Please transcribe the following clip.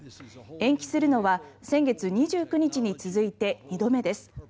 延期するのは先月２９日に続いて２度目です。